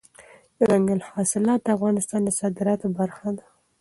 دځنګل حاصلات د افغانستان د صادراتو برخه ده.